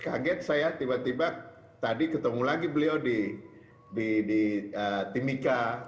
kaget saya tiba tiba tadi ketemu lagi beliau di timika